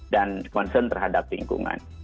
dan concern terhadap lingkungan